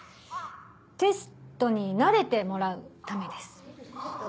テストに慣れてもらうためです。